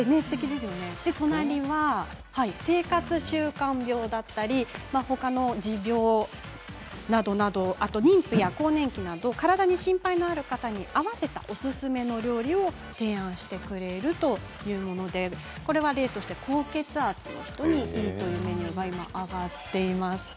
隣は生活習慣病だったりほかの持病などなどあと妊婦や更年期など体に心配のある方に合わせたおすすめの料理を提案してくれるというもので例として高血圧の人にいいというメニューが今挙がっています。